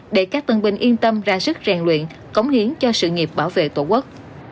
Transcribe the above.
để các tân binh yên tâm ra sức rèn luyện cống hiến cho sự nghiệp bảo vệ tổ quốc